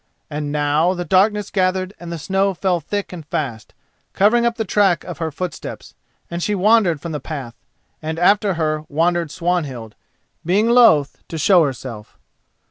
And now the darkness gathered and the snow fell thick and fast, covering up the track of her footsteps and she wandered from the path, and after her wandered Swanhild, being loath to show herself.